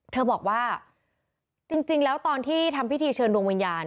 เธอบอกว่าจริงแล้วตอนที่ทำพิธีเชิญดวงวิญญาณ